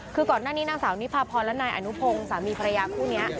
คือก่อนหน้านี้นางสาวนิพาพรและนายอนุพงศ์สามีภรรยาคู่นี้